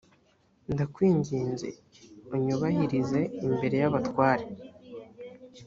ndakwinginze unyubahirize imbere y abatware